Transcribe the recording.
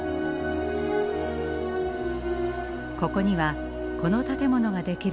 ここにはこの建物が出来る